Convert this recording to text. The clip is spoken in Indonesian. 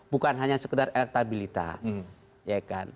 bukan hanya sekedar elektabilitas